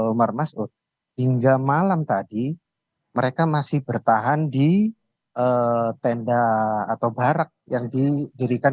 umar masud hingga malam tadi mereka masih bertahan di tenda atau barak yang didirikan